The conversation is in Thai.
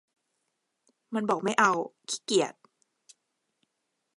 มันบอกไม่เอา ขี้เกียจ